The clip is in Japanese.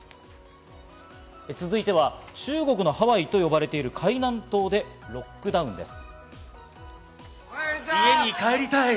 続いては中国のハワイと呼ばれている海南島でロックダウンです。